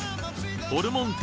ホルモン店